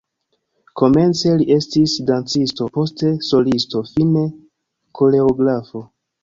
Komence li estis dancisto, poste solisto, fine koreografo.